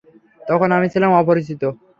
তখন আমি ছিলাম অপরিচিত।